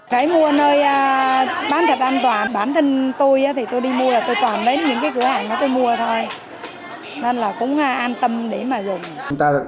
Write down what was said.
cái mua nơi bán thật an toàn bản thân tôi thì tôi đi mua là tôi còn đến những cái cửa hàng nó tôi mua thôi nên là cũng an tâm để mà dùng